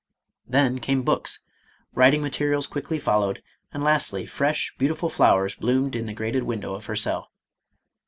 Then came books ; writing materials quickly followed, and lastly fresh, beautiful flowers bloomed in the grated window of her cell.